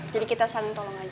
jadi kita saling tolong aja